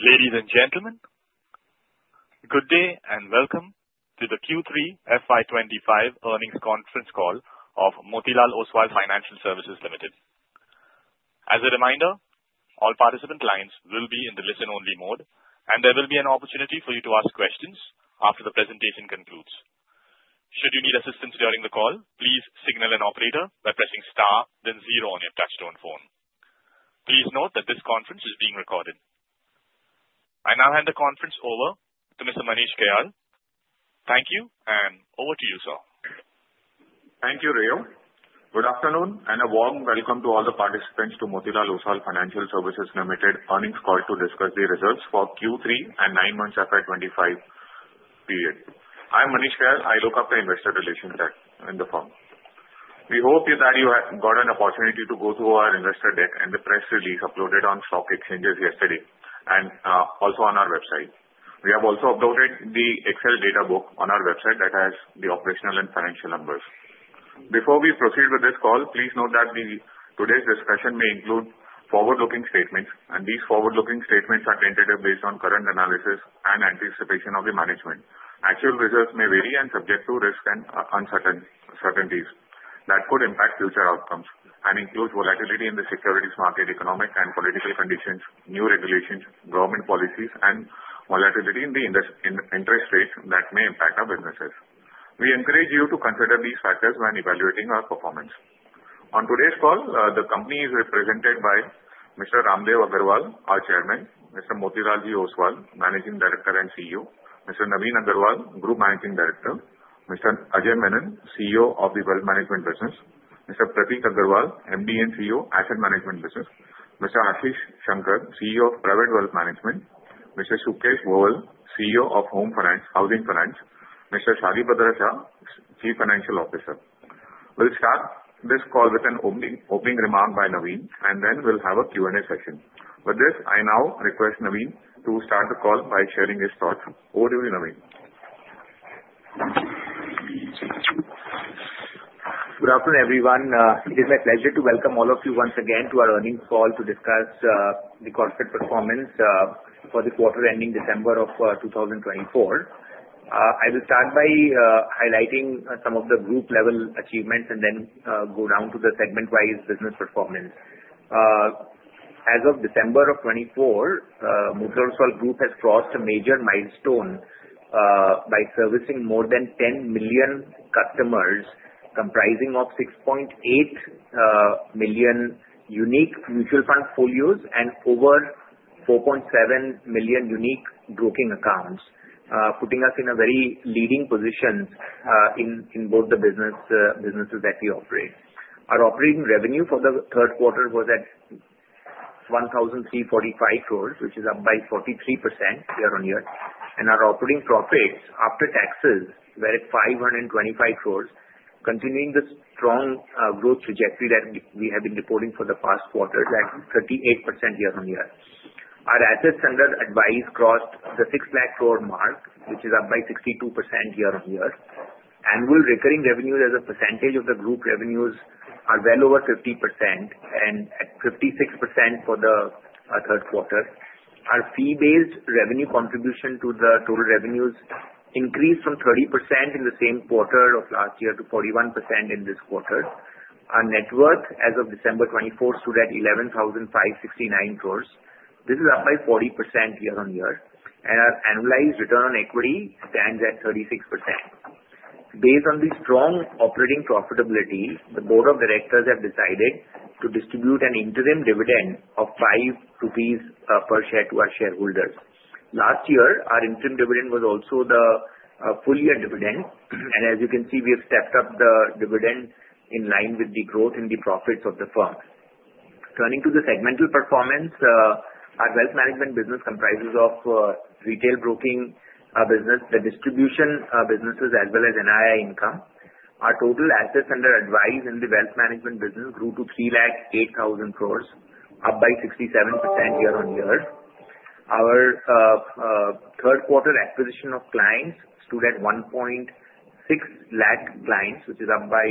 Ladies and gentlemen, good day and welcome to the Q3 FY25 earnings conference call of Motilal Oswal Financial Services Limited. As a reminder, all participant lines will be in the listen-only mode, and there will be an opportunity for you to ask questions after the presentation concludes. Should you need assistance during the call, please signal an operator by pressing star, then zero on your touch-tone phone. Please note that this conference is being recorded. I now hand the conference over to Mr. Manish Kayal. Thank you, and over to you, sir. Thank you, Rio. Good afternoon and a warm welcome to all the participants to Motilal Oswal Financial Services Limited earnings call to discuss the results for Q3 and nine months FY25 period. I'm Manish Kehal. I head up the investor relations in the firm. We hope that you have got an opportunity to go through our investor deck and the press release uploaded on stock exchanges yesterday and also on our website. We have also uploaded the Excel data book on our website that has the operational and financial numbers. Before we proceed with this call, please note that today's discussion may include forward-looking statements, and these forward-looking statements are tentative based on current analysis and anticipation of the management. Actual results may vary and subject to risk and uncertainties that could impact future outcomes and include volatility in the securities market, economic and political conditions, new regulations, government policies, and volatility in the interest rates that may impact our businesses. We encourage you to consider these factors when evaluating our performance. On today's call, the company is represented by Mr. Raamdeo Agrawal, our Chairman; Mr. Motilal Oswal, Managing Director and CEO; Navin Agarwal, Group Managing Director; Mr. Ajay Menon, CEO of the wealth management business; Mr. Prateek Agrawal, MD and CEO, asset management business; Mr. Ashish Shankar, CEO of private wealth management; Mr. Sukesh Bhowal, CEO of home finance, housing finance; Mr. Shalibhadra Shah, Chief Financial Officer. We'll start this call with an opening remark by Navin, and then we'll have a Q&A session. With this, I now request Navin to start the call by sharing his thoughts. Over to you, Navin. Good afternoon, everyone. It is my pleasure to welcome all of you once again to our earnings call to discuss the corporate performance for the quarter ending December of 2024. I will start by highlighting some of the group-level achievements and then go down to the segment-wise business performance. As of December of 2024, Motilal Oswal Group has crossed a major milestone by servicing more than 10 million customers, comprising of 6.8 million unique mutual fund folios and over 4.7 million unique broking accounts, putting us in a very leading position in both the businesses that we operate. Our operating revenue for the third quarter was at 1,345 crores, which is up by 43% year-on-year, and our operating profits after taxes were at 525 crores, continuing the strong growth trajectory that we have been reporting for the past quarter at 38% year-on-year. Our assets under advice crossed the 6 lakh crore mark, which is up by 62% year-on-year. Annual recurring revenues as a percentage of the group revenues are well over 50% and at 56% for the third quarter. Our fee-based revenue contribution to the total revenues increased from 30% in the same quarter of last year to 41% in this quarter. Our net worth as of December 2024 stood at 11,569 crores. This is up by 40% year-on-year, and our annualized return on equity stands at 36%. Based on the strong operating profitability, the board of directors have decided to distribute an interim dividend of 5 rupees per share to our shareholders. Last year, our interim dividend was also the full-year dividend, and as you can see, we have stepped up the dividend in line with the growth in the profits of the firm. Turning to the segmental performance, our wealth management business comprises of retail broking business, the distribution businesses, as well as NII income. Our total assets under advice in the wealth management business grew to 308,000 crores, up by 67% year-on-year. Our third quarter acquisition of clients stood at 1.6 lakh clients, which is up by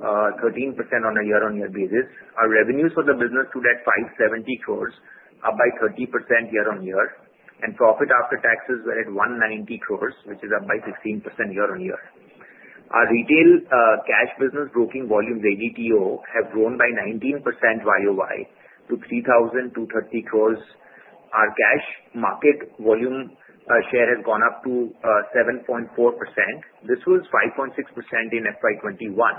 13% on a year-on-year basis. Our revenues for the business stood at 570 crores, up by 30% year-on-year, and profit after taxes were at 190 crores, which is up by 16% year-on-year. Our retail cash business broking volumes, ADTO, have grown by 19% YoY to 3,230 crores. Our cash market volume share has gone up to 7.4%. This was 5.6% in FY21,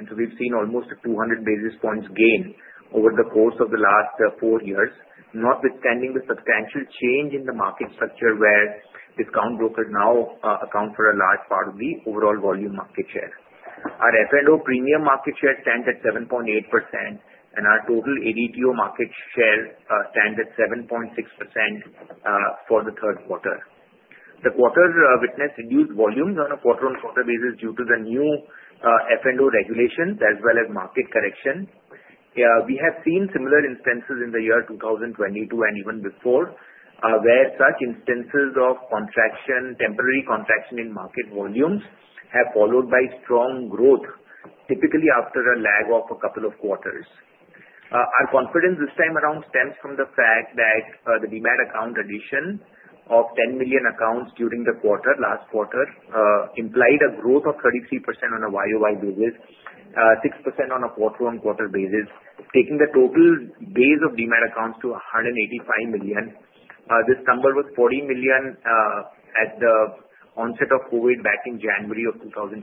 and so we've seen almost a 200 basis points gain over the course of the last four years, notwithstanding the substantial change in the market structure where discount brokers now account for a large part of the overall volume market share. Our F&O premium market share stands at 7.8%, and our total ADTO market share stands at 7.6% for the third quarter. The quarter witnessed reduced volumes on a quarter-on-quarter basis due to the new F&O regulations as well as market correction. We have seen similar instances in the year 2022 and even before where such instances of contraction, temporary contraction in market volumes, have followed by strong growth, typically after a lag of a couple of quarters. Our confidence this time around stems from the fact that the Demat account addition of 10 million accounts during the quarter, last quarter, implied a growth of 33% on a YOY basis, 6% on a quarter-on-quarter basis, taking the total base of Demat accounts to 185 million. This number was 40 million at the onset of COVID back in January of 2020.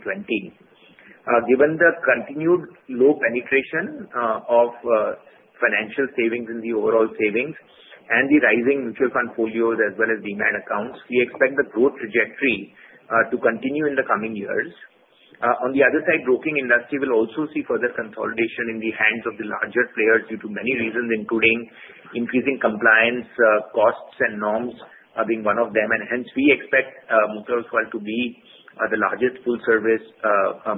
Given the continued low penetration of financial savings in the overall savings and the rising mutual fund folios as well as Demat accounts, we expect the growth trajectory to continue in the coming years. On the other side, the broking industry will also see further consolidation in the hands of the larger players due to many reasons, including increasing compliance costs and norms being one of them, and hence we expect Motilal Oswal to be the largest full-service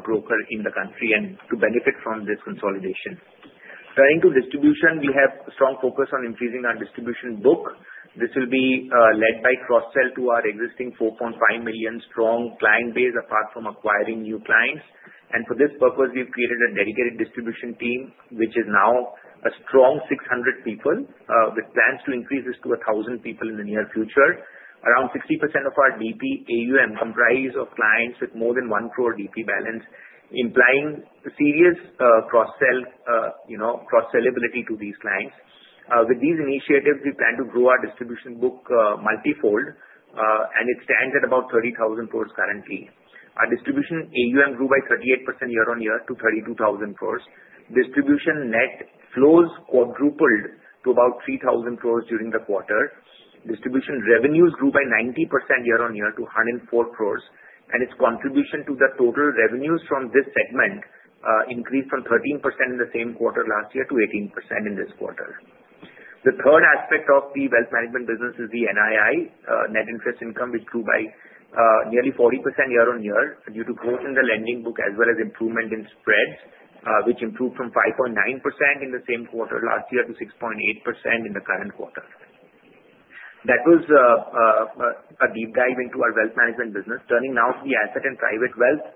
broker in the country and to benefit from this consolidation. Turning to distribution, we have a strong focus on increasing our distribution book. This will be led by cross-sell to our existing 4.5 million strong client base apart from acquiring new clients. And for this purpose, we've created a dedicated distribution team, which is now a strong 600 people, with plans to increase this to 1,000 people in the near future. Around 60% of our DP AUM comprises clients with more than one crore DP balance, implying serious cross-sell ability to these clients. With these initiatives, we plan to grow our distribution book multifold, and it stands at about 30,000 crores currently. Our distribution AUM grew by 38% year-on-year to 32,000 crores. Distribution net flows quadrupled to about 3,000 crores during the quarter. Distribution revenues grew by 90% year-on-year to 104 crores, and its contribution to the total revenues from this segment increased from 13% in the same quarter last year to 18% in this quarter. The third aspect of the wealth management business is the NII net interest income, which grew by nearly 40% year-on-year due to growth in the lending book as well as improvement in spreads, which improved from 5.9% in the same quarter last year to 6.8% in the current quarter. That was a deep dive into our wealth management business. Turning now to the asset and private wealth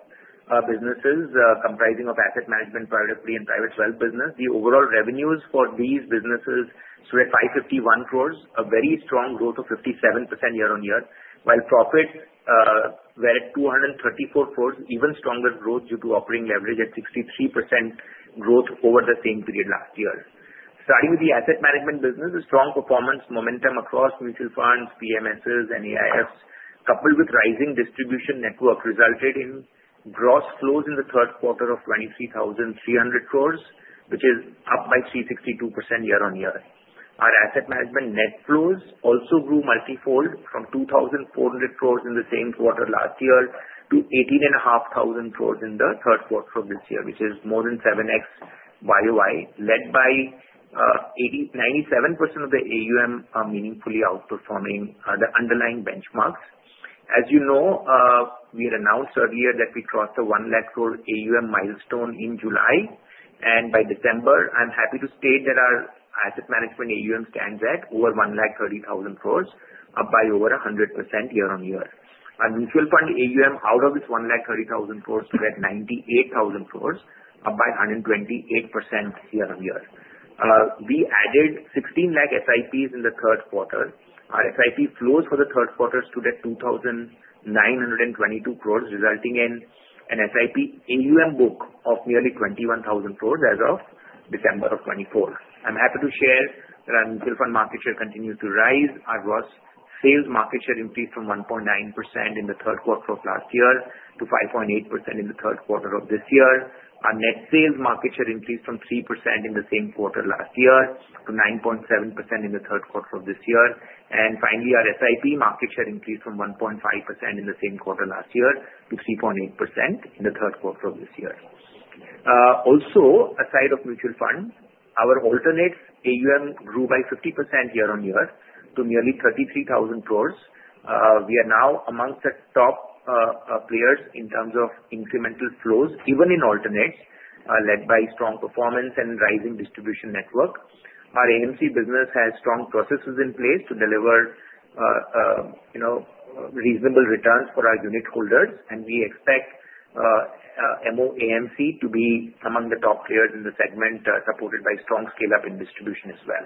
businesses comprising of asset management, private equity, and private wealth business, the overall revenues for these businesses stood at 551 crores, a very strong growth of 57% year-on-year, while profits were at 234 crores, even stronger growth due to operating leverage at 63% growth over the same period last year. Starting with the asset management business, the strong performance momentum across mutual funds, PMSs, and AIFs, coupled with rising distribution network, resulted in gross flows in the third quarter of 23,300 crores, which is up by 362% year-on-year. Our asset management net flows also grew multifold from 2,400 crores in the same quarter last year to 18,500 crores in the third quarter of this year, which is more than 7x YoY, led by 97% of the AUM meaningfully outperforming the underlying benchmarks. As you know, we had announced earlier that we crossed the 1 lakh crore AUM milestone in July, and by December, I'm happy to state that our asset management AUM stands at over 130,000 crores, up by over 100% year-on-year. Our mutual fund AUM out of this 130,000 crores stood at 98,000 crores, up by 128% year-on-year. We added 16 lakh SIPs in the third quarter. Our SIP flows for the third quarter stood at 2,922 crores, resulting in an SIP AUM book of nearly 21,000 crores as of December of 2024. I'm happy to share that our mutual fund market share continues to rise. Our gross sales market share increased from 1.9% in the third quarter of last year to 5.8% in the third quarter of this year. Our net sales market share increased from 3% in the same quarter last year to 9.7% in the third quarter of this year. And finally, our SIP market share increased from 1.5% in the same quarter last year to 3.8% in the third quarter of this year. Also, aside from mutual funds, our alternates AUM grew by 50% year-on-year to nearly 33,000 crores. We are now among the top players in terms of incremental flows, even in alternates, led by strong performance and rising distribution network. Our AMC business has strong processes in place to deliver reasonable returns for our unit holders, and we expect MO AMC to be among the top players in the segment, supported by strong scale-up in distribution as well.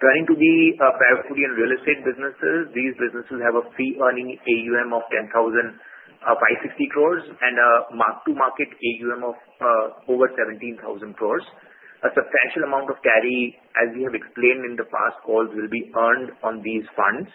Turning to the private equity and real estate businesses, these businesses have a fee-earning AUM of 10,560 crores and a mark-to-market AUM of over 17,000 crores. A substantial amount of carry, as we have explained in the past calls, will be earned on these funds.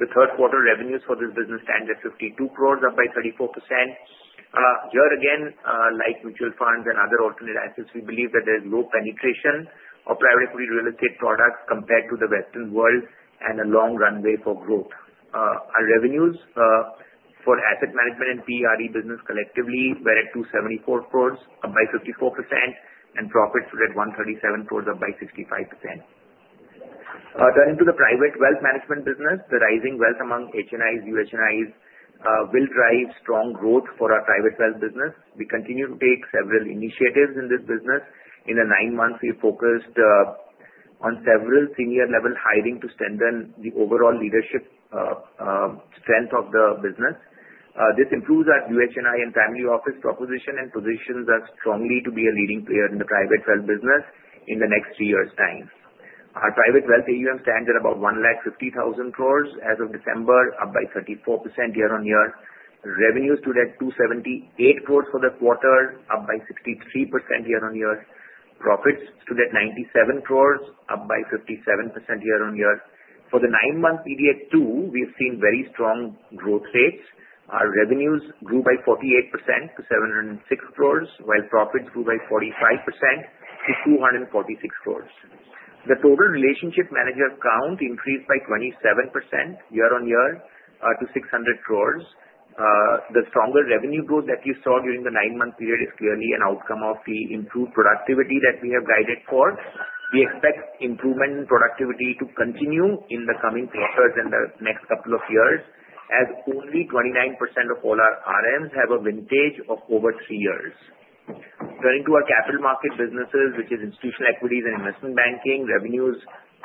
The third quarter revenues for this business stand at 52 crores, up by 34%. Here again, like mutual funds and other alternate assets, we believe that there is low penetration of private equity real estate products compared to the Western world and a long runway for growth. Our revenues for asset management and PRE business collectively were at 274 crore, up by 54%, and profits stood at 137 crore, up by 65%. Turning to the private wealth management business, the rising wealth among HNIs, UHNIs will drive strong growth for our private wealth business. We continue to take several initiatives in this business. In the nine months, we focused on several senior-level hiring to strengthen the overall leadership strength of the business. This improves our UHNI and family office proposition and positions us strongly to be a leading player in the private wealth business in the next three years' time. Our private wealth AUM stands at about 150,000 crore as of December, up by 34% year-on-year. Revenues stood at 278 crore for the quarter, up by 63% year-on-year. Profits stood at 97 crore, up by 57% year-on-year. For the nine-month period too, we have seen very strong growth rates. Our revenues grew by 48% to 706 crores, while profits grew by 45% to 246 crores. The total relationship manager count increased by 27% year-on-year to 600. The stronger revenue growth that you saw during the nine-month period is clearly an outcome of the improved productivity that we have guided for. We expect improvement in productivity to continue in the coming quarters and the next couple of years as only 29% of all our RMs have a vintage of over three years. Turning to our capital market businesses, which is institutional equities and investment banking, revenues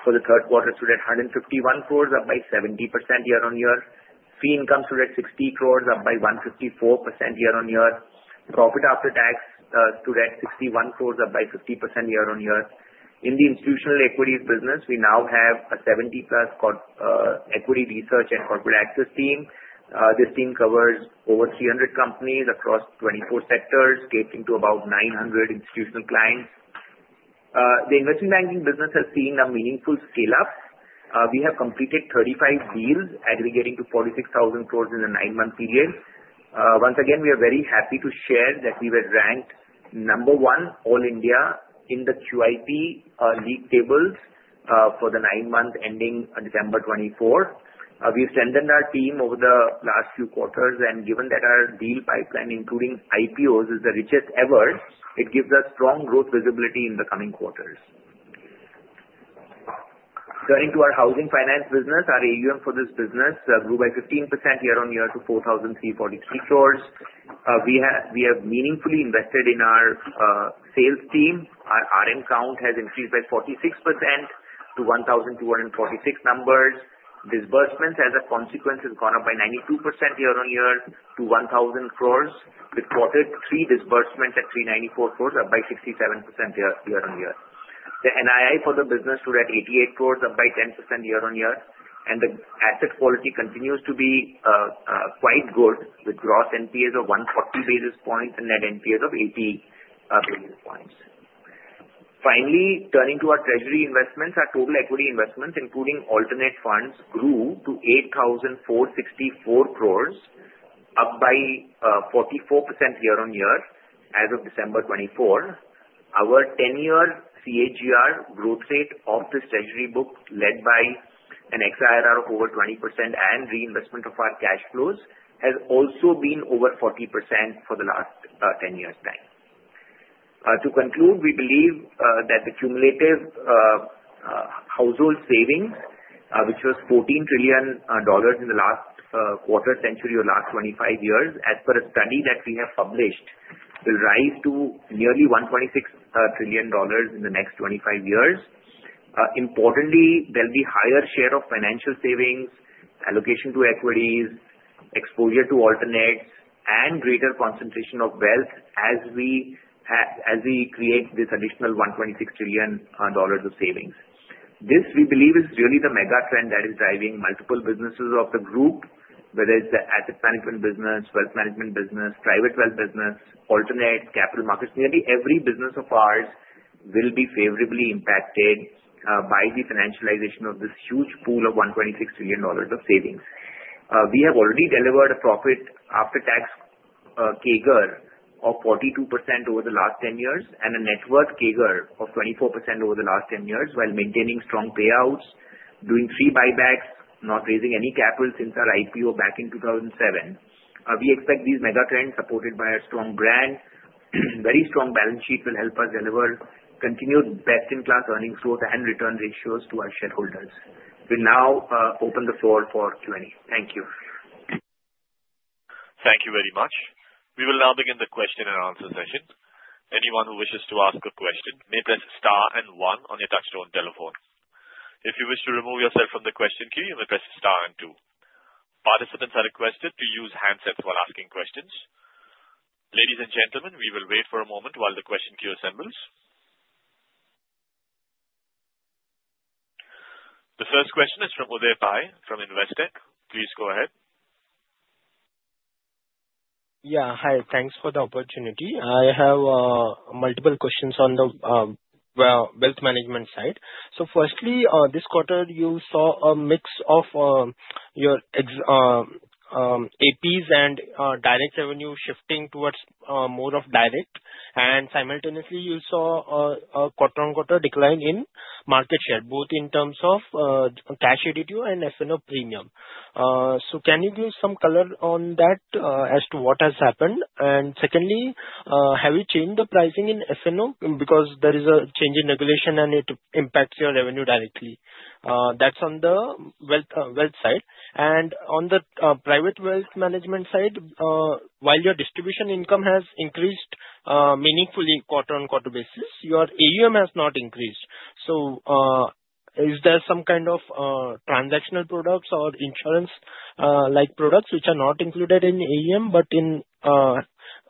for the third quarter stood at 151 crores, up by 70% year-on-year. Fee income stood at 60 crores, up by 154% year-on-year. Profit after tax stood at 61 crores, up by 50% year-on-year. In the institutional equities business, we now have a 70-plus equity research and corporate access team. This team covers over 300 companies across 24 sectors, scaling to about 900 institutional clients. The investment banking business has seen a meaningful scale-up. We have completed 35 deals, aggregating to 46,000 crores in the nine-month period. Once again, we are very happy to share that we were ranked number one all India in the QIP league tables for the nine months ending December 2024. We've strengthened our team over the last few quarters, and given that our deal pipeline, including IPOs, is the richest ever, it gives us strong growth visibility in the coming quarters. Turning to our housing finance business, our AUM for this business grew by 15% year-on-year to 4,343 crores. We have meaningfully invested in our sales team. Our RM count has increased by 46% to 1,246 numbers. Disbursements, as a consequence, have gone up by 92% year-on-year to 1,000 crores, with Q3 disbursements at 394 crores, up by 67% year-on-year. The NII for the business stood at 88 crores, up by 10% year-on-year, and the asset quality continues to be quite good, with gross NPA of 140 basis points and net NPA of 80 basis points. Finally, turning to our treasury investments, our total equity investments, including alternative funds, grew to 8,464 crores, up by 44% year-on-year as of December 2024. Our 10-year CAGR growth rate of this treasury book, led by an XIRR of over 20% and reinvestment of our cash flows, has also been over 40% for the last 10 years' time. To conclude, we believe that the cumulative household savings, which was $14 trillion in the last quarter century or last 25 years, as per a study that we have published, will rise to nearly $126 trillion in the next 25 years. Importantly, there'll be a higher share of financial savings, allocation to equities, exposure to alternates, and greater concentration of wealth as we create this additional $126 trillion of savings. This, we believe, is really the mega trend that is driving multiple businesses of the group, whether it's the asset management business, wealth management business, private wealth business, alternate, capital markets. Nearly every business of ours will be favorably impacted by the financialization of this huge pool of $126 trillion of savings. We have already delivered a profit after-tax CAGR of 42% over the last 10 years and a net worth CAGR of 24% over the last 10 years, while maintaining strong payouts, doing three buybacks, not raising any capital since our IPO back in 2007. We expect these mega trends, supported by our strong brand, very strong balance sheet, will help us deliver continued best-in-class earnings growth and return ratios to our shareholders. We'll now open the floor for Q&A. Thank you. Thank you very much. We will now begin the question-and-answer session. Anyone who wishes to ask a question may press Star and 1 on your touch-tone telephone. If you wish to remove yourself from the question queue, you may press Star and 2. Participants are requested to use handsets while asking questions. Ladies and gentlemen, we will wait for a moment while the question queue assembles. The first question is from Uday Pai from Investec. Please go ahead. Yeah. Hi. Thanks for the opportunity. I have multiple questions on the wealth management side. So firstly, this quarter, you saw a mix of your APs and direct revenue shifting towards more of direct, and simultaneously, you saw a quarter-on-quarter decline in market share, both in terms of cash ADTO and F&O premium. So can you give some color on that as to what has happened? And secondly, have you changed the pricing in F&O? Because there is a change in regulation, and it impacts your revenue directly. That's on the wealth side. And on the private wealth management side, while your distribution income has increased meaningfully quarter-on-quarter basis, your AUM has not increased. So is there some kind of transactional products or insurance-like products which are not included in AUM but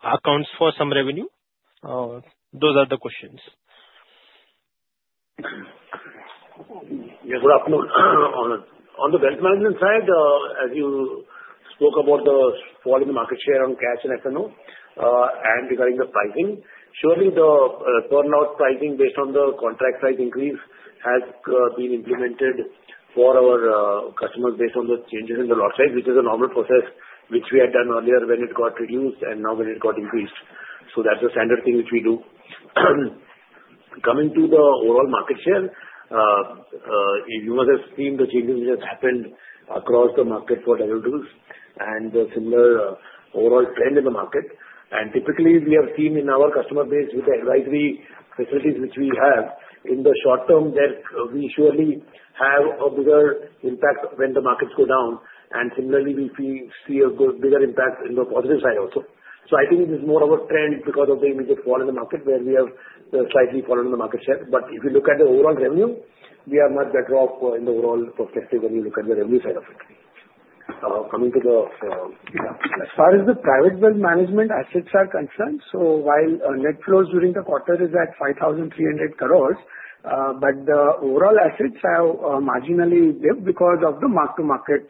accounts for some revenue? Those are the questions. On the wealth management side, as you spoke about the fall in the market share on cash and F&O and regarding the pricing, surely the turnover pricing based on the contract size increase has been implemented for our customers based on the changes in the lot size, which is a normal process which we had done earlier when it got reduced and now when it got increased. So that's a standard thing which we do. Coming to the overall market share, you must have seen the changes which have happened across the market for discount and the similar overall trend in the market. And typically, we have seen in our customer base with the advisory facilities which we have, in the short term, that we surely have a bigger impact when the markets go down. And similarly, we see a bigger impact in the positive side also. So I think it is more of a trend because of the immediate fall in the market where we have slightly fallen in the market share. But if you look at the overall revenue, we are much better off in the overall perspective when you look at the revenue side of it. Coming to the as far as the private wealth management assets are concerned, so while net flows during the quarter is at 5,300 crores, but the overall assets are marginally dipped because of the mark-to-market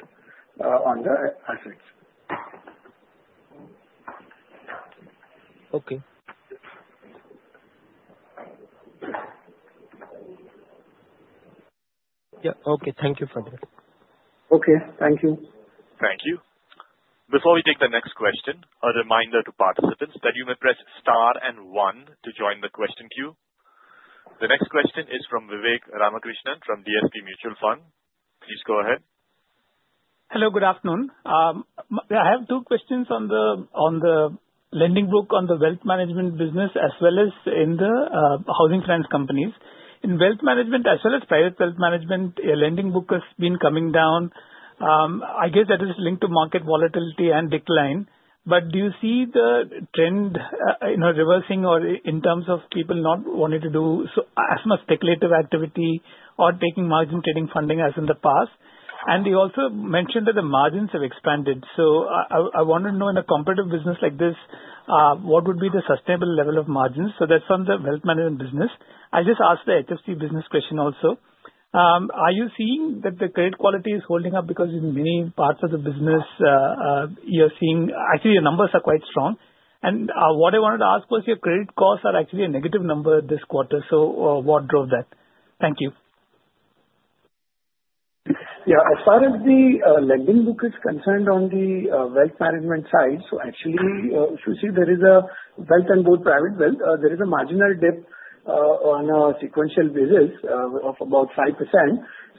on the assets. Okay. Yeah. Okay. Thank you for that. Okay. Thank you. Thank you. Before we take the next question, a reminder to participants that you may press Star and 1 to join the question queue. The next question is from Vivek Ramakrishnan from DSP Mutual Fund. Please go ahead. Hello. Good afternoon. I have two questions on the lending book on the wealth management business as well as in the housing finance companies. In wealth management as well as private wealth management, lending book has been coming down. I guess that is linked to market volatility and decline. But do you see the trend in reversing or in terms of people not wanting to do as much speculative activity or taking margin trading funding as in the past? And you also mentioned that the margins have expanded. So I want to know, in a competitive business like this, what would be the sustainable level of margins? So that's from the wealth management business. I just asked the HFC business question also. Are you seeing that the credit quality is holding up because in many parts of the business, you're seeing actually, your numbers are quite strong. What I wanted to ask was your credit costs are actually a negative number this quarter. So what drove that? Thank you. Yeah. As far as the lending book is concerned on the wealth management side, so actually, if you see, there is a wealth and both private wealth, there is a marginal dip on a sequential basis of about 5%.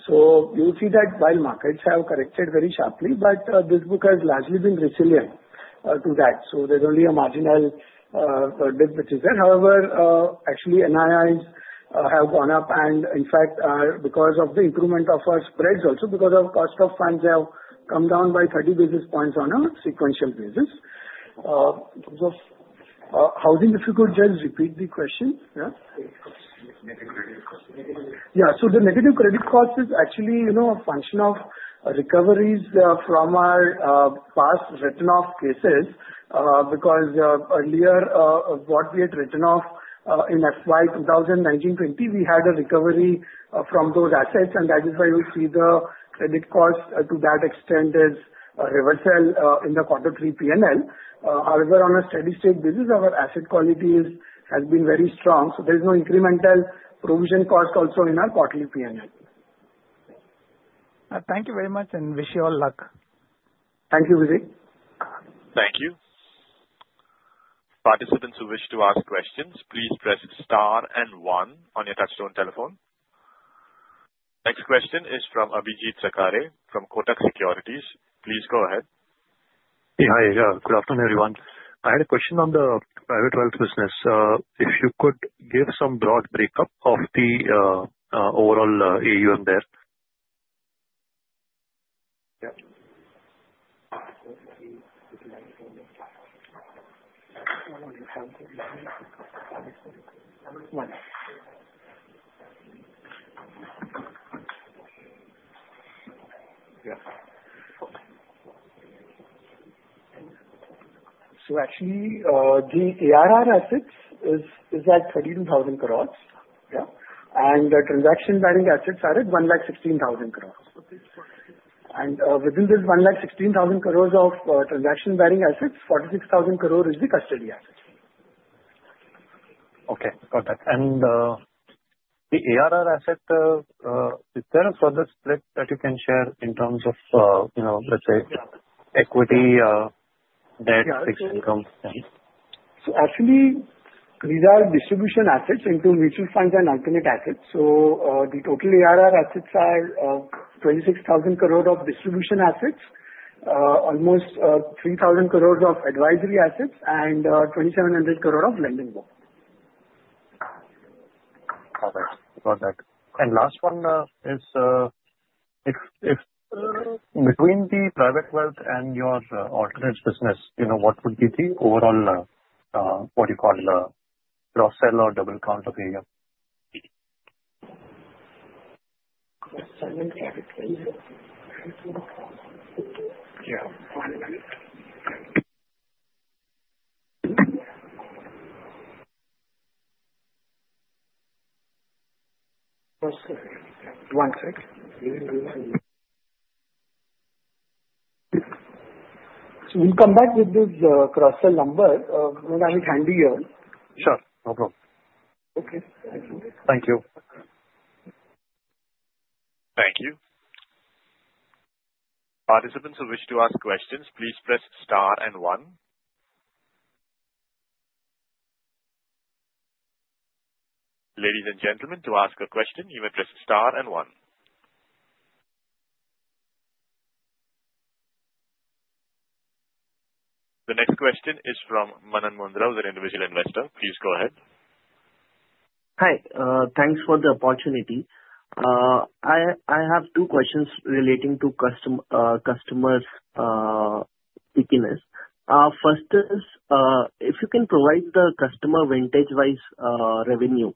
So you will see that while markets have corrected very sharply, but this book has largely been resilient to that. So there's only a marginal dip which is there. However, actually, NIIs have gone up and, in fact, because of the improvement of our spreads also, because of cost of funds, they have come down by 30 basis points on a sequential basis. In terms of housing, if you could just repeat the question. Yeah. So the negative credit cost is actually a function of recoveries from our past written-off cases. Because earlier, what we had written off in FY 2019-20, we had a recovery from those assets, and that is why we see the credit cost to that extent as a reversal in the Q3 P&L. However, on a steady state basis, our asset quality has been very strong. So there's no incremental provision cost also in our quarterly P&L. Thank you very much and wish you all luck. Thank you, Vivek. Thank you. Participants who wish to ask questions, please press Star and 1 on your touch-tone telephone. Next question is from Abhijeet Sakhare from Kotak Securities. Please go ahead. Hi. Good afternoon, everyone. I had a question on the private wealth business. If you could give some broad breakup of the overall AUM there. Yeah. Yeah. Actually, the ARR assets is at 32,000 crores. Yeah. And the transaction-bearing assets are at 116,000 crores. And within this 116,000 crores of transaction-bearing assets, 46,000 crores is the custody assets. Okay. Got that. And the ARR asset, is there a further split that you can share in terms of, let's say, equity, debt, fixed income? So actually, these are distribution assets into mutual funds and alternate assets. So the total ARR assets are 26,000 crores of distribution assets, almost 3,000 crores of advisory assets, and 2,700 crores of lending book. Got it. Got it. And last one is, between the private wealth and your alternate business, what would be the overall, what do you call, cross-sell or double count of AUM? Yeah. One minute. One sec. So we'll come back with this cross-sell number when I'm handy here. Sure. No problem. Okay. Thank you. Thank you. Thank you. Participants who wish to ask questions, please press Star and 1. Ladies and gentlemen, to ask a question, you may press Star and 1. The next question is from Manan Mundhra, who's an individual investor. Please go ahead. Hi. Thanks for the opportunity. I have two questions relating to customer segments. First is, if you can provide the customer vintage-wise revenue,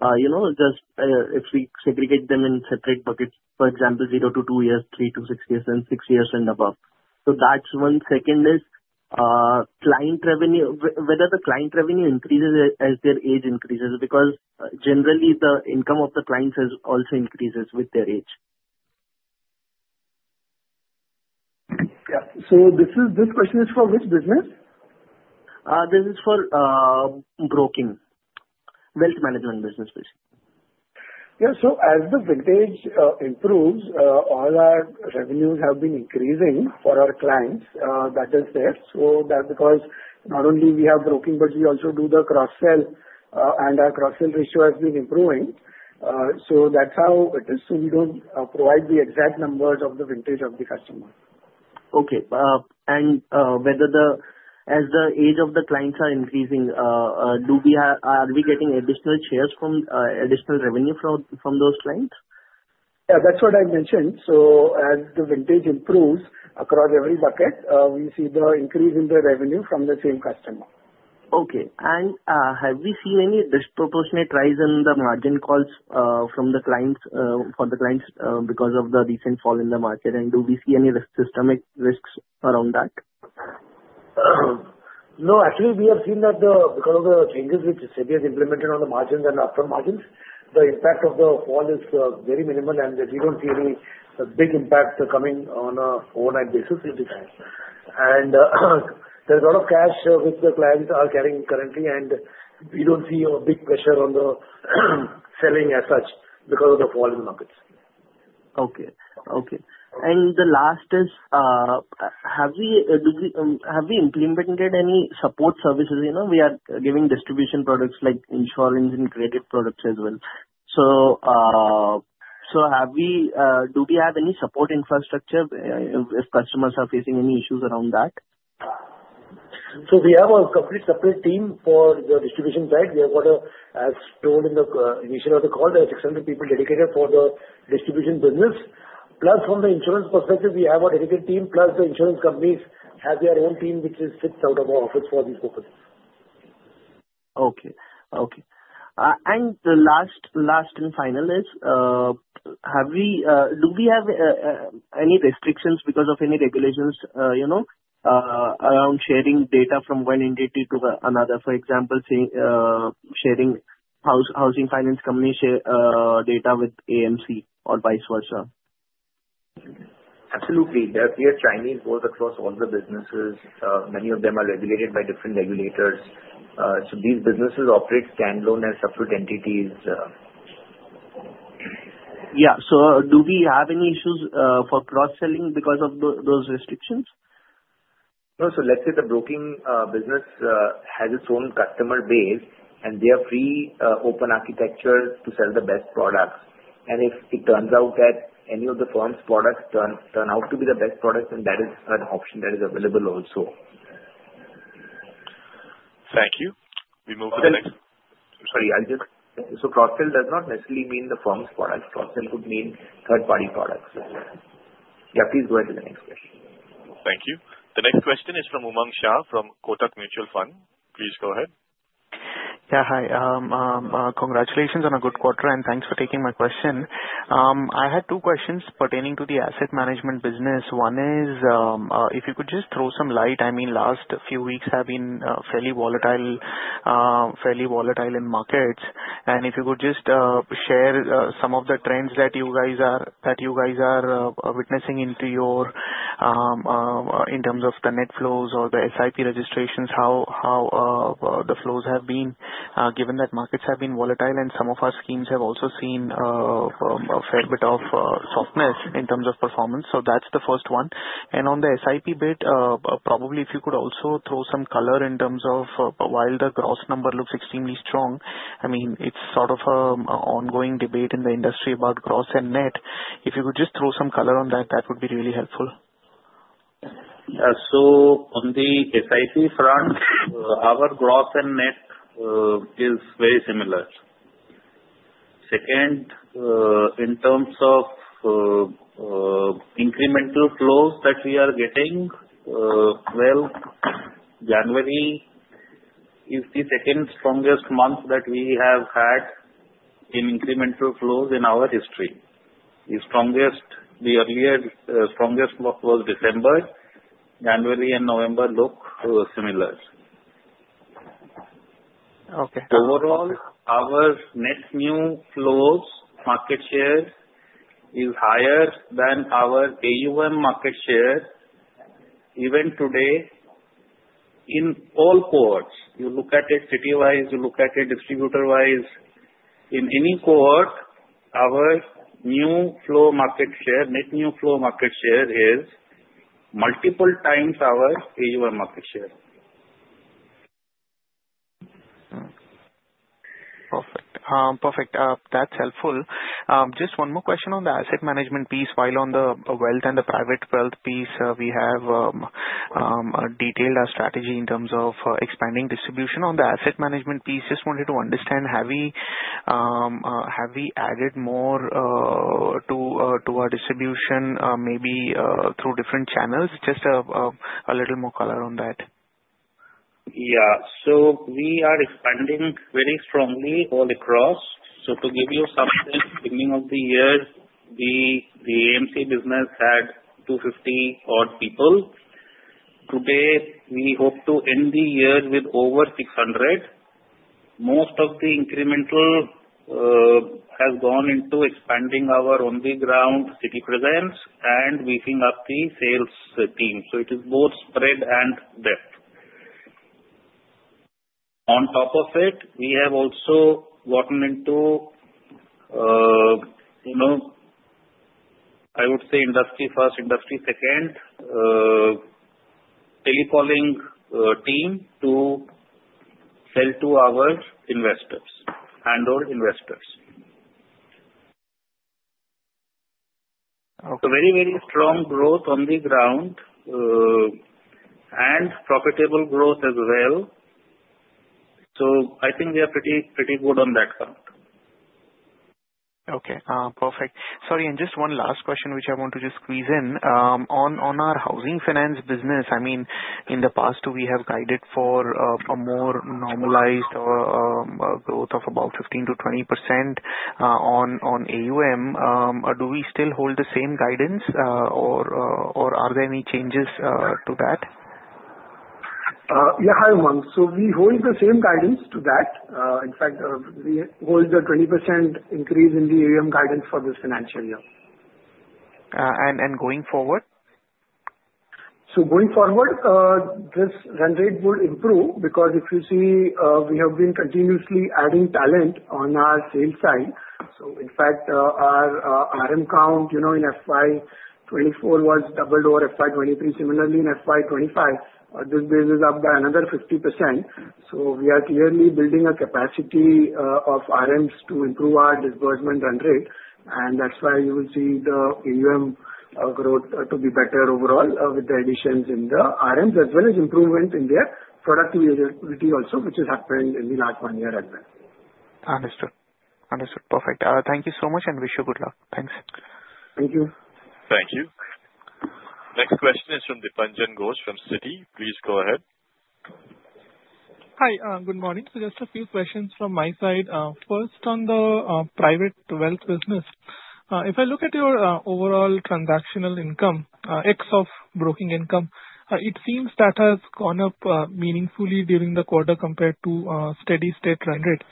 just if we segregate them in separate buckets, for example, 0 to 2 years, 3 to 6 years, and 6 years and above. So that's one. Second is client revenue, whether the client revenue increases as their age increases, because generally, the income of the clients also increases with their age. Yeah. So this question is for which business? This is for broking, wealth management business, basically. Yeah. So as the vintage improves, all our revenues have been increasing for our clients. That is true. That's because not only we have broking, but we also do the cross-sell, and our cross-sell ratio has been improving. So that's how it is. So we don't provide the exact numbers of the vintage of the customer. Okay. And as the age of the clients are increasing, are we getting additional shares from additional revenue from those clients? Yeah. That's what I mentioned. So as the vintage improves across every bucket, we see the increase in the revenue from the same customer. Okay. And have we seen any disproportionate rise in the margin calls for the clients because of the recent fall in the market? And do we see any systemic risks around that? No. Actually, we have seen that because of the changes which SEBI has implemented on the margins and upfront margins, the impact of the fall is very minimal, and we don't see any big impact coming on a fortnightly basis. And there's a lot of cash which the clients are carrying currently, and we don't see a big pressure on the selling as such because of the fall in the markets. Okay. Okay. And the last is, have we implemented any support services? We are giving distribution products like insurance and credit products as well. So do we have any support infrastructure if customers are facing any issues around that? So we have a complete separate team for the distribution side. We have got a, as told in the initial part of the call, there are 600 people dedicated for the distribution business. Plus, from the insurance perspective, we have a dedicated team, plus the insurance companies have their own team which is based out of our office for these purposes. Okay. Okay. And the last and final is, do we have any restrictions because of any regulations around sharing data from one entity to another? For example, sharing housing finance company data with AMC or vice versa. Absolutely. We are trying both across all the businesses. Many of them are regulated by different regulators. So these businesses operate standalone as separate entities. Yeah. So do we have any issues for cross-selling because of those restrictions? No. So let's say the broking business has its own customer base, and they are open architecture to sell the best products. And if it turns out that any of the firm's products turn out to be the best product, then that is an option that is available also. Thank you. We move to the next. Sorry. So cross-sell does not necessarily mean the firm's products. Cross-sell could mean third-party products. Yeah. Please go ahead to the next question. Thank you. The next question is from Umang Shah from Kotak Mutual Fund. Please go ahead. Yeah. Hi. Congratulations on a good quarter, and thanks for taking my question. I had two questions pertaining to the asset management business. One is, if you could just throw some light. I mean, last few weeks have been fairly volatile in markets. If you could just share some of the trends that you guys are witnessing in terms of the net flows or the SIP registrations, how the flows have been, given that markets have been volatile and some of our schemes have also seen a fair bit of softness in terms of performance. That's the first one. On the SIP bit, probably if you could also throw some color in terms of while the gross number looks extremely strong, I mean, it's sort of an ongoing debate in the industry about gross and net. If you could just throw some color on that, that would be really helpful. Yeah. On the SIP front, our gross and net is very similar. Second, in terms of incremental flows that we are getting, well, January is the second strongest month that we have had in incremental flows in our history. The earliest was December. January and November look similar. Overall, our net new flows market share is higher than our AUM market share, even today in all cohorts. You look at it city-wise, you look at it distributor-wise. In any cohort, our new flow market share, net new flow market share is multiple times our AUM market share. Perfect. Perfect. That's helpful. Just one more question on the asset management piece. While on the wealth and the private wealth piece, we have detailed our strategy in terms of expanding distribution. On the asset management piece, just wanted to understand, have we added more to our distribution maybe through different channels? Just a little more color on that. Yeah. So we are expanding very strongly all across. So to give you some sense, beginning of the year, the AMC business had 250 odd people. Today, we hope to end the year with over 600. Most of the incremental has gone into expanding our on-the-ground city presence and beefing up the sales team. So it is both spread and depth. On top of it, we have also gotten into, I would say, industry first, industry second, telecalling team to sell to our investors, handle investors. So very, very strong growth on the ground and profitable growth as well. So I think we are pretty good on that front. Okay. Perfect. Sorry. And just one last question, which I want to just squeeze in. On our housing finance business, I mean, in the past, we have guided for a more normalized growth of about 15%-20% on AUM. Do we still hold the same guidance, or are there any changes to that? Yeah. Hi, Umang. So we hold the same guidance to that. In fact, we hold the 20% increase in the AUM guidance for this financial year. And going forward? So going forward, this run rate would improve because if you see, we have been continuously adding talent on our sales side. So in fact, our RM count in FY 24 was doubled over FY 23. Similarly, in FY 25, this base is up by another 50%. So we are clearly building a capacity of RMs to improve our disbursement run rate. And that's why you will see the AUM growth to be better overall with the additions in the RMs as well as improvement in their productivity also, which has happened in the last one year as well. Understood. Understood. Perfect. Thank you so much and wish you good luck. Thanks. Thank you. Thank you. Next question is from Dipanjan Ghosh from Citi. Please go ahead. Hi. Good morning. So just a few questions from my side. First, on the private wealth business, if I look at your overall transactional income, ex of broking income, it seems that has gone up meaningfully during the quarter compared to steady-state run rate.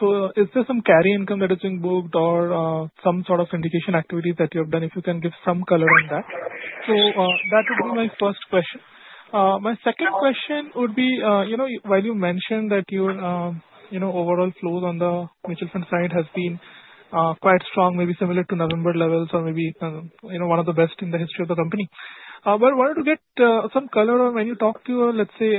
So is there some carry income that has been booked or some sort of syndication activities that you have done? If you can give some color on that. So that would be my first question. My second question would be, while you mentioned that your overall flows on the mutual fund side have been quite strong, maybe similar to November levels or maybe one of the best in the history of the company, but I wanted to get some color on when you talk to, let's say,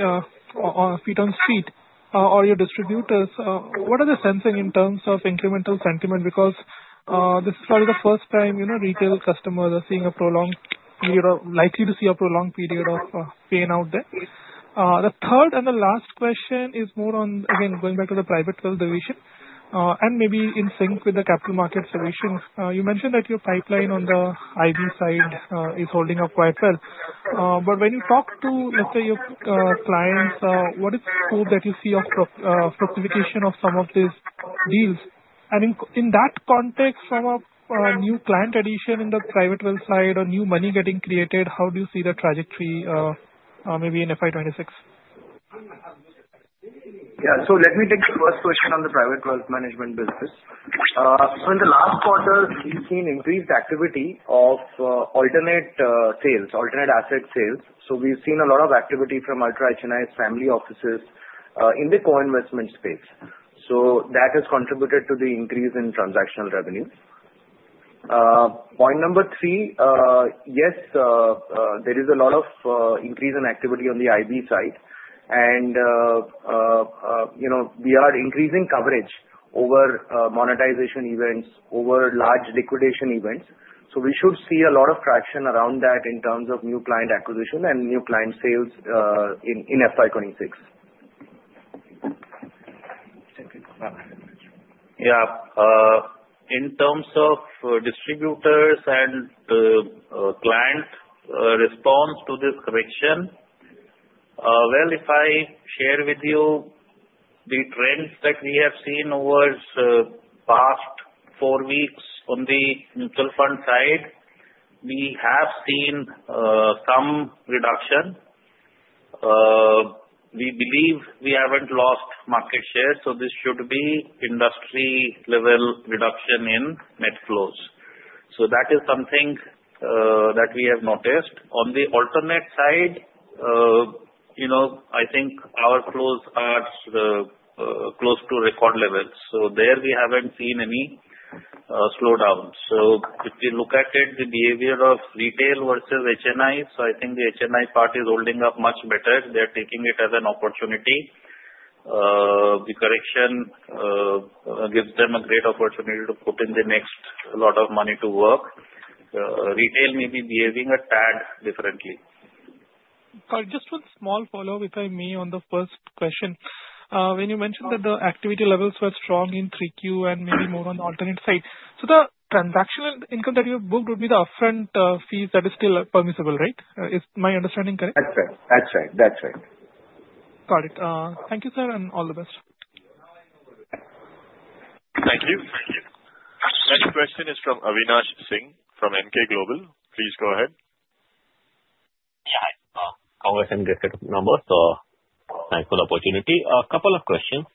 feet on the street or your distributors, what are they sensing in terms of incremental sentiment? Because this is probably the first time retail customers are seeing a prolonged period of pain out there. The third and the last question is more on, again, going back to the private wealth division and maybe in sync with the capital market solutions. You mentioned that your pipeline on the AIF side is holding up quite well. But when you talk to, let's say, your clients, what is the scope that you see of fructification of some of these deals? And in that context, from a new client addition in the private wealth side or new money getting created, how do you see the trajectory maybe in FY26? Yeah. So let me take the first question on the private wealth management business. So in the last quarter, we've seen increased activity of alternative sales, alternative asset sales. So we've seen a lot of activity from ultra HNIs and family offices in the co-investment space. So that has contributed to the increase in transactional revenues. Point number three, yes, there is a lot of increase in activity on the AIF side. And we are increasing coverage over monetization events, over large liquidation events. So we should see a lot of traction around that in terms of new client acquisition and new client sales in FY 26. Yeah. In terms of distributors and client response to this correction, well, if I share with you the trends that we have seen over the past four weeks on the mutual fund side, we have seen some reduction. We believe we haven't lost market share, so this should be industry-level reduction in net flows. So that is something that we have noticed. On the alternative side, I think our flows are close to record levels. So there, we haven't seen any slowdown. So if you look at it, the behavior of retail versus HNI, so I think the HNI part is holding up much better. They're taking it as an opportunity. The correction gives them a great opportunity to put in the next lot of money to work. Retail may be behaving a tad differently. Got it. Just one small follow-up, if I may, on the first question. When you mentioned that the activity levels were strong in 3Q and maybe more on the alternative side, so the transactional income that you have booked would be the upfront fees that is still permissible, right? Is my understanding correct? That's right. That's right. That's right. Got it. Thank you, sir, and all the best. Thank you. Thank you. Next question is from Avinash Singh from Emkay Global. Please go ahead. Yeah. I'll go ahead and get the number. So thanks for the opportunity. A couple of questions.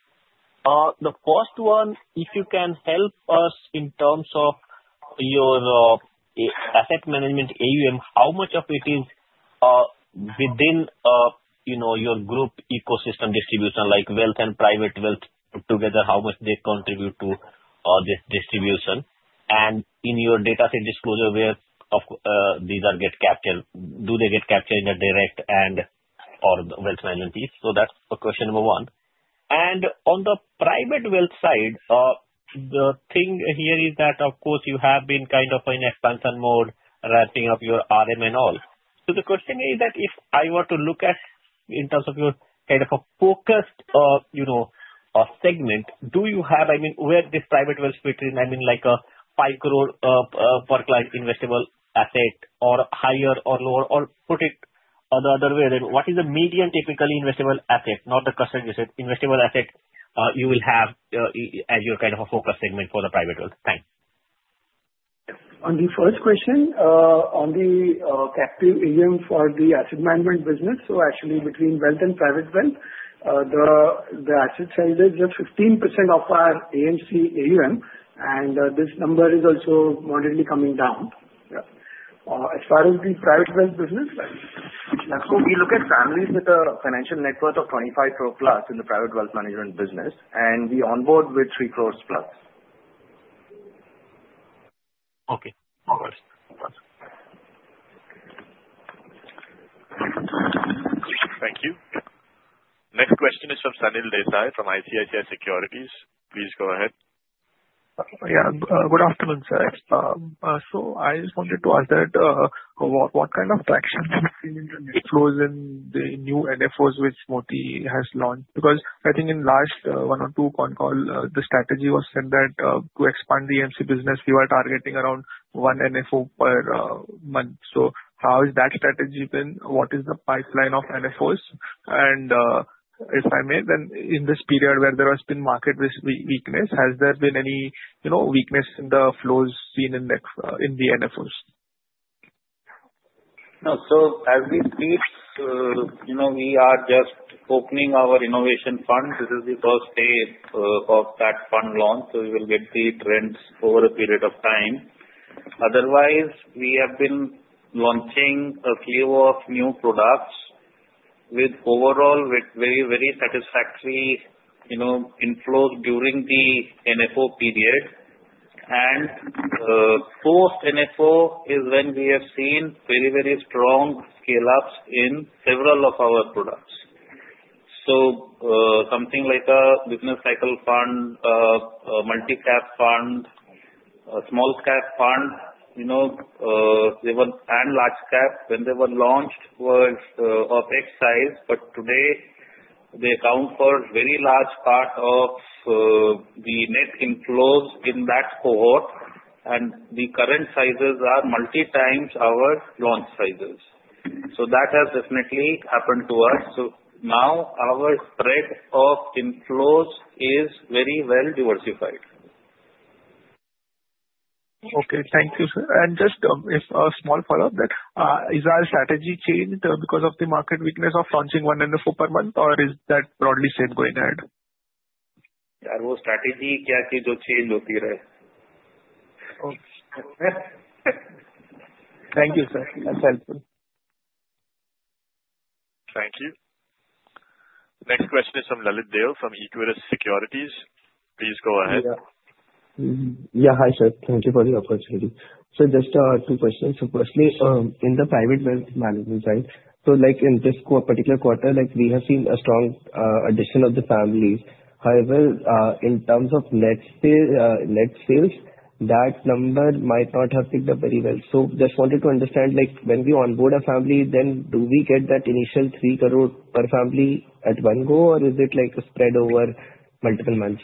The first one, if you can help us in terms of your asset management AUM, how much of it is within your group ecosystem distribution, like wealth and private wealth together, how much they contribute to this distribution? And in your data set disclosure, where do these get captured? Do they get captured in a direct and/or the wealth management piece? So that's question number one. And on the private wealth side, the thing here is that, of course, you have been kind of in expansion mode, ramping up your RM and all. The question is that if I were to look at in terms of your kind of a focused segment, do you have I mean, where this private wealth fits in? I mean, like a 5 crore per-client investable asset or higher or lower, or put it the other way, then what is the median typically investable asset, not the customer-based investable asset you will have as your kind of a focus segment for the private wealth? Thanks. On the first question, on the captive AUM for the asset management business, so actually between wealth and private wealth, the asset size is just 15% of our AMC AUM, and this number is also moderately coming down. As far as the private wealth business, so we look at families with a financial net worth of 25 crore plus in the private wealth management business, and we onboard with 3 crores plus. Okay. All right. Thank you. Next question is from Sanil Desai from ICICI Securities. Please go ahead. Yeah. Good afternoon, sir. So I just wanted to ask that what kind of traction you've seen in the net flows in the new NFOs which Moti has launched? Because I think in last one or two con call, the strategy was said that to expand the AMC business, we were targeting around one NFO per month. So how has that strategy been? What is the pipeline of NFOs? And if I may, then in this period where there has been market weakness, has there been any weakness in the flows seen in the NFOs? No. So as we speak, we are just opening our Innovation Fund. This is the first day of that fund launch, so we will get the trends over a period of time. Otherwise, we have been launching a few new products with overall very, very satisfactory inflows during the NFO period. And post-NFO is when we have seen very, very strong scale-ups in several of our products. So something like a Business Cycle Fund, a Multi Cap Fund, a Small Cap Fund, and large-cap, when they were launched, were of some size. But today, they account for a very large part of the net inflows in that cohort, and the current sizes are multi-times our launch sizes. So that has definitely happened to us. So now our spread of inflows is very well diversified. Okay. Thank you, sir. And just a small follow-up, is our strategy changed because of the market weakness of launching one NFO per month, or is that broadly the same going ahead? Yaar, what strategy did you use that keeps changing. Thank you, sir. It's helpful. Thank you. Next question is from Lalit Deo from Equirus Securities. Please go ahead. Yeah, hi, sir. Thank you for the opportunity. So, just two questions. So, firstly, in the private wealth management side, so, like, in this particular quarter, like, we have seen a strong addition of families. However, in terms of net new, net sales, that number might not have picked up very well. So, just wanted to understand, like, when we onboard a family, then do we get that initial 3 crore per family at one go, and is it like a spread over multiple months?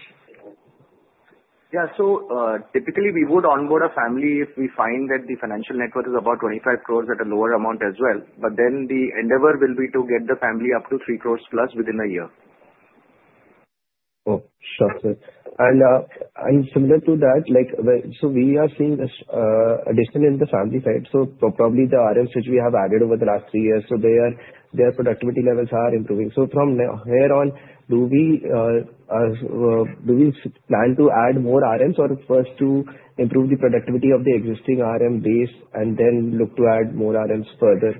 so, typically, we would onboard a family if we find that the financial net worth is about 25 crore at a lower amount as well. But, then, the endeavor will be to get the family up to 3 crore plus within a year. Oh, sure. And, similar to that, like, so, we are seeing an addition in the family side. So, probably, the RMs, which we have added over the last three years, so, their, their productivity levels are improving. So, from here on, do we, do we plan to add more RMs, and first to improve the productivity of the existing RM base, and then look to add more RMs further?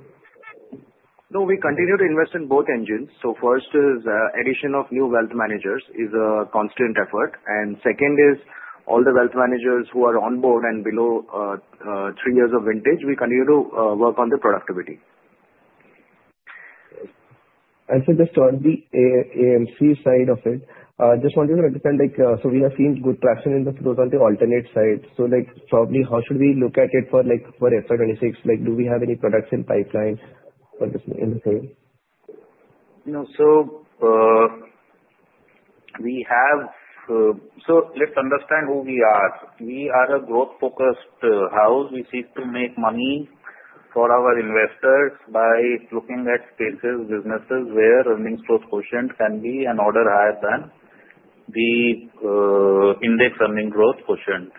No, we continue to invest in both engines. First is addition of new wealth managers is a constant effort. And second is all the wealth managers who are onboard and below three years of vintage, we continue to work on the productivity. And so just on the AMC side of it, just wanted to understand, like, so we have seen good traction in the Q3 on the alternative side. So like probably how should we look at it for, like, for FY26? Like do we have any products in pipeline for this in the same? No, so we have, so let's understand who we are. We are a growth focused house. We seek to make money for our investors by looking at spaces, businesses where earning growth quotient can be an order higher than the index earning growth quotient.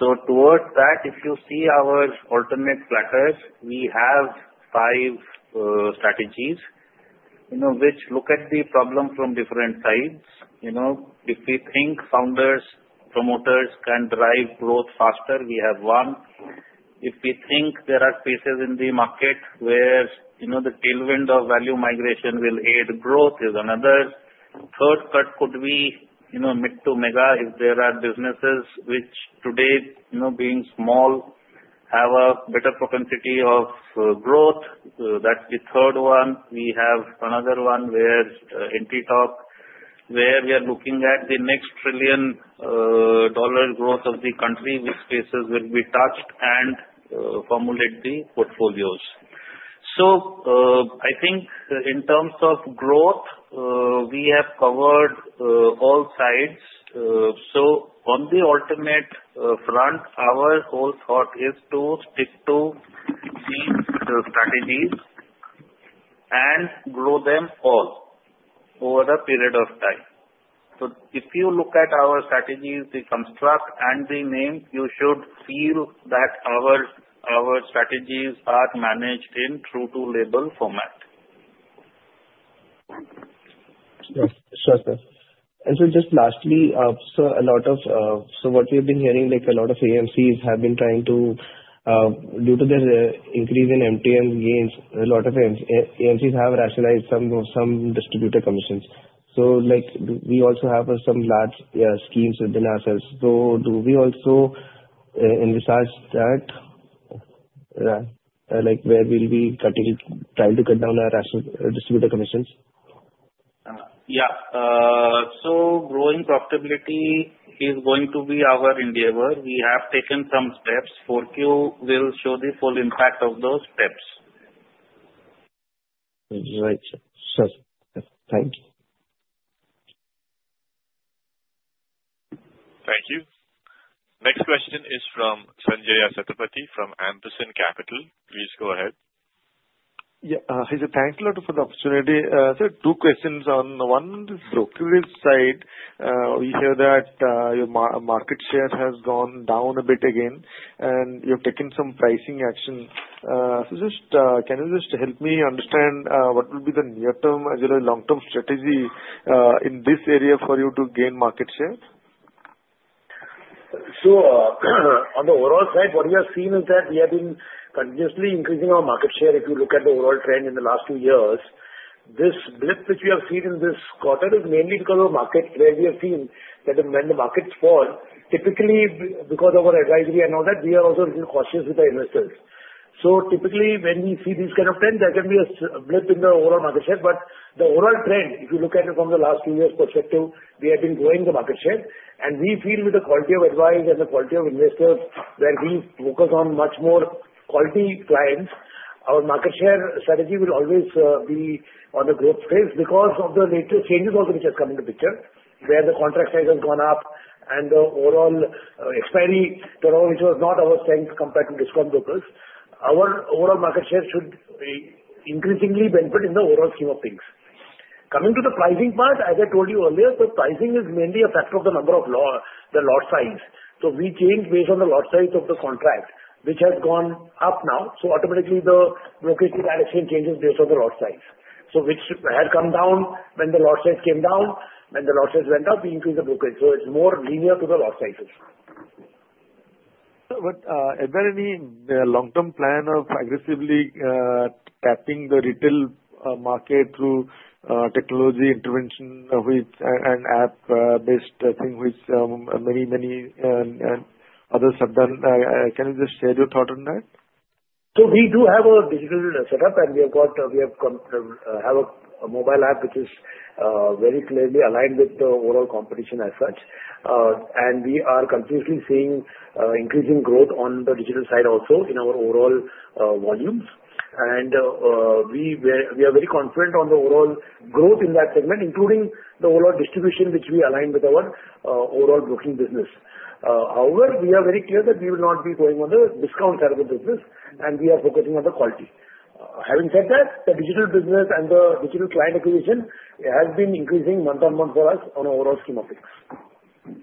So, towards that, if you see our alternatives, we have five strategies, you know, which look at the problem from different sides. You know, if we think founders, promoters can drive growth faster, we have one. If we think there are spaces in the market where, you know, the tail wind of value migration will add growth, is another. Third one could be, you know, mid to mega, if there are businesses, which today, you know, being small, have a better potential of growth. That's the third one. We have another one where in the top, where we are looking at the next trillion-dollar growth of the country, which spaces will be touch and formulate the portfolios. So, I think in terms of growth, we have covered all sides. So, on the alternative front, our whole thought is to stick to the strategy and grow them all over a period of time. So, if you look at our strategy, the construct and the name, you should feel that our, our strategy are managed in true-to-label format. Sir. And, so, just lastly, sir, a lot of, so, what we have been hearing, like, a lot of AMCs have been trying to, due to their increase in MTM gains, a lot of AMCs have rationalized some, some distributor commissions. So, like, we also have some large schemes within ourselves. So, do we also envisage that, like, where we will be cutting, trying to cut down our distributor commissions? Yeah, so, growing productivity is going to be our India. We have taken some steps. 4Q will show the full impact of those steps. Right, sir. Thank you. Thank you. Next question is from Sanjay Satapathy from Ampersand Capital. Please go ahead. Yeah, hi, sir. Thank you, though, for the opportunity. Sir, two questions on the one. Brokerage side, we hear that your market share has gone down a bit again, and you have taken some pricing action. So, just, can you just help me understand what will be the near term as well as long term strategy in this area for you to gain market share? So, on the overall side, what we have seen is that we have been continuously increasing our market share. If you look at the overall trend in the last two years, this blip which we have seen in this quarter is mainly because of market. Where we have seen that when the markets fall, typically because of our advisory and all that, we are also little cautious with our investors. So, typically, when we see this kind of trend, there can be a blip in the overall market share. But, the overall trend, if you look at it from the last two years perspective, we have been growing the market share. And, we feel with the quality of advice and the quality of investors, where we focus on much more quality clients. Our market share strategy will always be on the growth path because of the latter changes also, which has come in the picture, where the contract size has gone up and the overall expiry turn, which was not our strength compare to discount brokers. Our overall market share should increasingly benefit in the overall scheme of things. Coming to the pricing part, as I told you earlier, the pricing is mainly a factor of the number of lot, the lot size. So, we change based on the lot size of the contract, which has gone up now. So, automatically, the brokerage direction changes based on the lot size. So, which had come down when the lot size came down. When the lot size went up, we increase the brokerage. So, it's more linear to the lot size. But, is there any long term plan of aggressively tapping the retail market through technology intervention, which end app based thing, which many, many others have done? Can you just share your thought on that? We do have a digital setup, and we have a mobile app, which is very clearly aligned with the overall competition as such. We are continuously seeing increasing growth on the digital side also in our overall volumes. We are very confident on the overall growth in that segment, including the overall distribution, which we align with our overall broking business. However, we are very clear that we will not be going on the discount side of the business, and we are focusing on the quality. Having said that, the digital business and the digital client acquisition has been increasing month on month for us on overall scheme of things.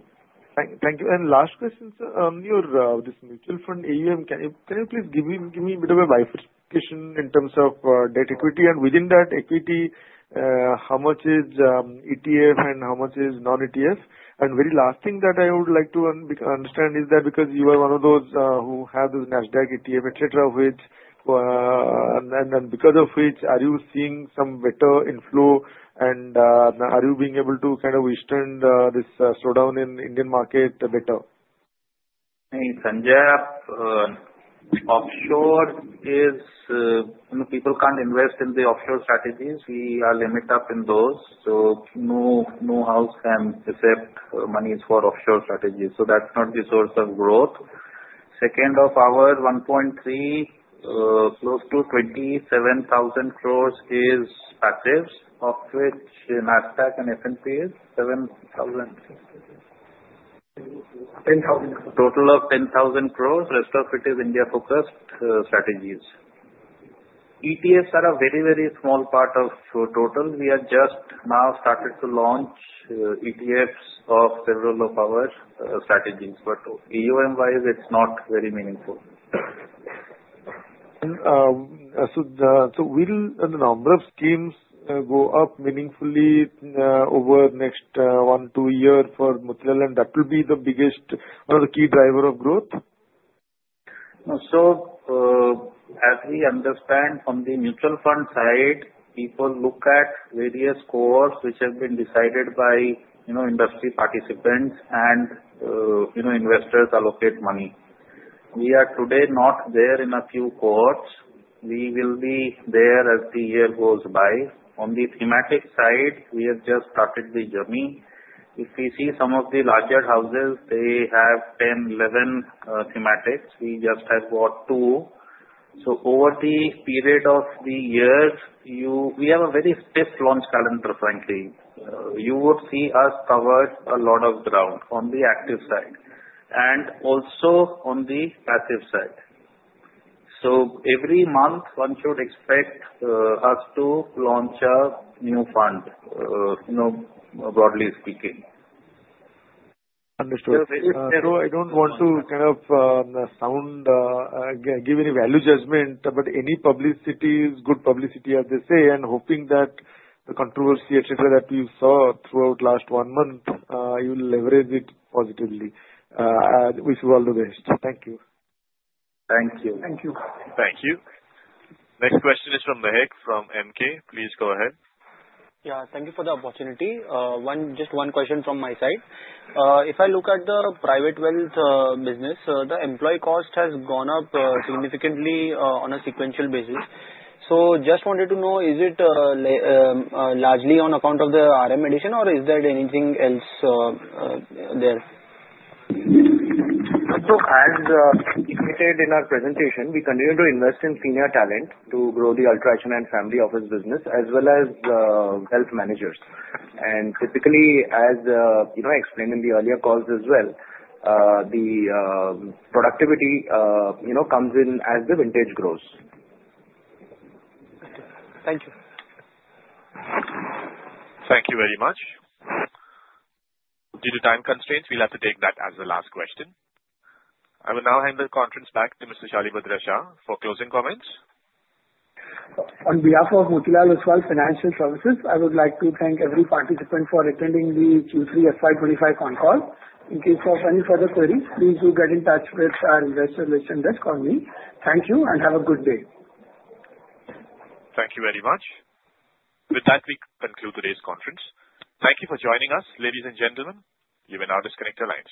Thank you. Last question, sir, on your this mutual fund AUM, can you please give me bit of a bifurcation in terms of debt equity? And, within that equity, how much is ETF and how much is non-ETF? And, very last thing that I would like to understand is that, because you are one of those who have this Nasdaq ETF, et cetera, which, because of which, are you seeing some better inflow? And, are you being able to kind of arrest this slowdown in Indian market better? No, Sanjay, your offshore is, you know, people can't invest in the offshore strategy. We are limit up in those, so, no, no one can accept monies for offshore strategy. So, that's not the source of growth. Second, of our 1.3, close to 27,000 crore is passive, of which Nasdaq and S&P is 7,000. 10,000. Total of 10,000 crore, rest of it is India focused strategy. ETFs are a very, very small part of total. We are just now started to launch ETF of several of our strategy, but AUM wise, it's not very meaningful. So, will the number of schemes go up meaningfully over next one, two years for mutual? And, that will be the biggest one of the key driver of growth? So, as we understand from the mutual fund side, people look at various courses, which have been decided by, you know, industry participants and, you know, investors allocate money. We are today not there in a few courses. We will be there as the year goes by. On the thematic side, we have just started the journey. If we see some of the larger houses, they have 10, 11 thematics. We just have got two. So, over the period of the years, you, we have a very stiff launch calendar, frankly. You would see us cover a lot of ground on the active side and also on the passive side. So, every month, one should expect us to launch a new fund, you know, broadly speaking. Understood. I don't want to kind of sound, give any value judgment, but any publicity is good publicity, as they say, and hoping that the controversy, et cetera, that we saw throughout last one month, you will leverage it positively. And, wish you all the best. Thank you. Thank you. Thank you. Thank you. Next question is from Mahek from Emkay. Please go ahead. Yeah, thank you for the opportunity. One, just one question from my side. If I look at the private wealth business, the employee cost has gone up significantly on a sequential basis. So, just wanted to know, is it largely on account of the RM addition and is that anything else there? So, as mentioned in our presentation, we continue to invest in senior talent to grow the ultra HNI and family office business, as well as wealth managers. And, typically, as you know, explained in the earlier calls as well, the productivity, you know, comes in as the vintage grows. Thank you. Thank you very much. Due to time constraints, we will have to take that as the last question. I will now hand the conference back to Mr. Shalibhadra Shah for closing comments. On behalf of Motilal Oswal Financial Services, I would like to thank every participant for attending the Q3 FY25 Con Call. In case of any further queries, please do get in touch with our investor relations and just call me. Thank you and have a good day. Thank you very much. With that, we conclude today's conference. Thank you for joining us, ladies and gentlemen. You will now disconnect your lines.